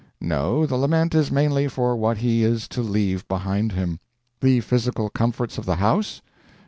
No, the lament is mainly for what he is to leave behind him. The physical comforts of the house?